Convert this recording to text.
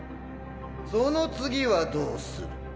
その次はどうする？